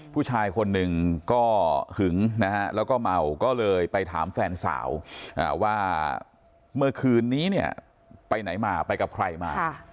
ผู้ชายคนหนึ่งก็หึงนะฮะแล้วก็เมาก็เลยไปถามแฟนสาวว่าเมื่อคืนนี้เนี่ยไปไหนมาไปกับใครมา